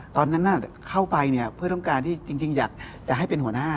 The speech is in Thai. ตอนนั้นเข้าไปเนี่ยเพื่อต้องการที่จริงอยากจะให้เป็นหัวหน้า